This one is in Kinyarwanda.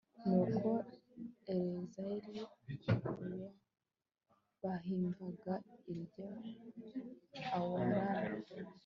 nuko eleyazari, uwo bahimbaga irya awarani